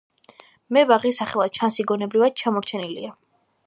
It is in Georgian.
მებაღე სახელად შანსი გონებრივად ჩამორჩენილია.